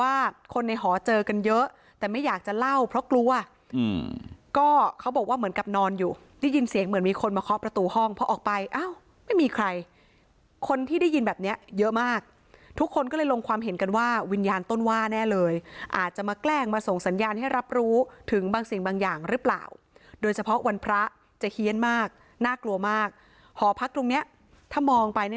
ว่าคนในหอเจอกันเยอะแต่ไม่อยากจะเล่าเพราะกลัวก็เขาบอกว่าเหมือนกับนอนอยู่ได้ยินเสียงเหมือนมีคนมาเคาะประตูห้องเพราะออกไปอ้าวไม่มีใครคนที่ได้ยินแบบเนี้ยเยอะมากทุกคนก็เลยลงความเห็นกันว่าวิญญาณต้นว่าแน่เลยอาจจะมาแกล้งมาส่งสัญญาณให้รับรู้ถึงบางสิ่งบางอย่างหรือเปล่าโดยเฉพาะวันพระจะเฮียนมากน่ากลัวมากหอพักตรงเนี้ยถ้ามองไปใน